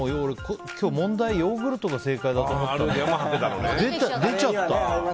今日問題、ヨーグルトが正解だと思ってたら出ちゃった。